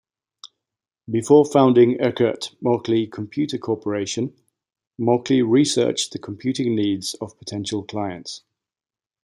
Before founding Eckert-Mauchly Computer Corporation, Mauchly researched the computing needs of potential clients.